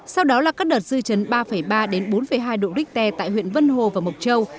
sau đó là các đợt dư chấn ba ba đến bốn hai độ richter tại huyện vân hồ và mộc châu